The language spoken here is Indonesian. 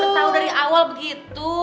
lo tau dari awal begitu